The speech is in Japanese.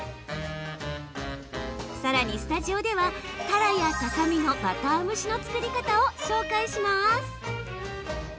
さらにスタジオではたらやささ身のバター蒸しの作り方を紹介します。